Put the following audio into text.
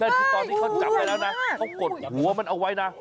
นั่นคือตอนที่เขาจับไปแล้วนะเขากดหัวมันเอาไว้นะ